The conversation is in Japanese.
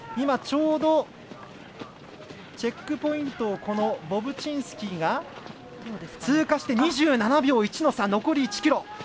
今、ちょうどチェックポイントをボブチンスキーが通過して２７秒１の差、残り１ｋｍ。